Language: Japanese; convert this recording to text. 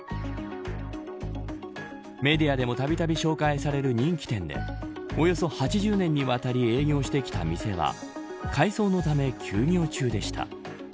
メディアでもたびたび紹介される人気店でおよそ８０年にわたり営業してきた店は改装のため休業中でした。